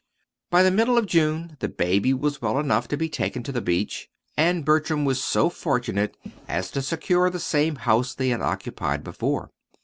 By the middle of June the baby was well enough to be taken to the beach, and Bertram was so fortunate as to secure the same house they had occupied before.